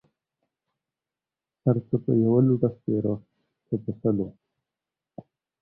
سر څه په يوه لوټۀ سپيره ، څه په سلو.